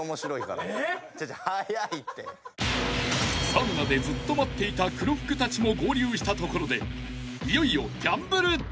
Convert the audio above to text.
［サウナでずっと待っていた黒服たちも合流したところでいよいよ］